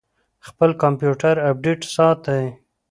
خپل کمپیوټر اپډیټ ساتئ؟